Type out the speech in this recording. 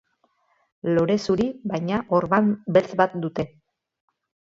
Lore zuri baina orban beltz bat dute.